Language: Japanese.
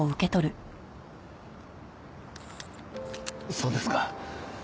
そうですか。